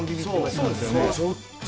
そうですよね。